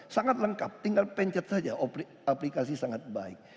sangat lengkap tinggal pencet saja aplikasi sangat baik